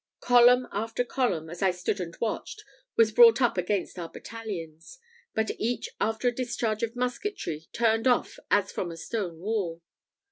Column after column, as I stood and watched, was brought up against our battalions, but each after a discharge of musketry turned off as from a stone wall.